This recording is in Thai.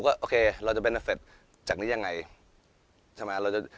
ก็เห็นการเติบตัวของบริษัท